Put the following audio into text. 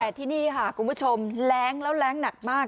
แต่ที่นี่ค่ะคุณผู้ชมแรงแล้วแรงหนักมาก